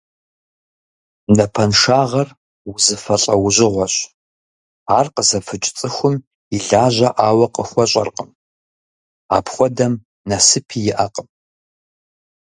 Напэншагъэр узыфэ лӏэужьгъуэщ. Ар къызэфыкӏ цӏыхум илажьэӏауэ къыхуэщӏэркъым. Апхуэдэм нэсыпи иӏэкъым.